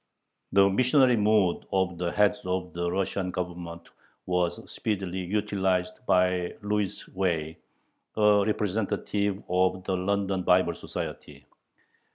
The missionary mood of the heads of the Russian Government was speedily utilized by Lewis Way, a representative of the London Bible Society.